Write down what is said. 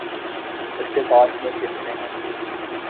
بچے پارک میں کھیلتے ہیں۔